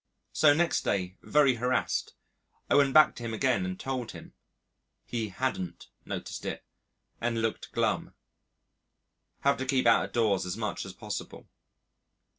So next day, very harassed, I went back to him again and told him. He hadn't noticed it and looked glum. Have to keep out of doors as much as possible.